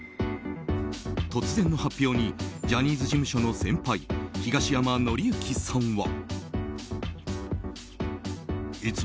突然の発表にジャニーズ事務所の先輩・東山紀之さんは。